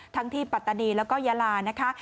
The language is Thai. ทั้งที่ปัตตานีแล้วก็ยาลานะคะ